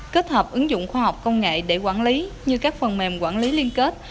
kết hợp ứng dụng khoa học công nghệ để quản lý như các phần mềm quản lý liên kết